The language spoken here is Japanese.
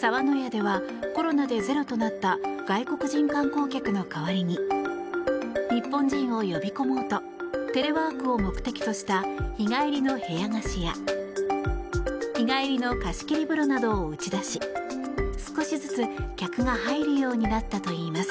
澤の屋ではコロナでゼロとなった外国人観光客の代わりに日本人を呼び込もうとテレワークを目的とした日帰りの部屋貸しや日帰りの貸し切り風呂などを打ち出し少しずつ、客が入るようになったといいます。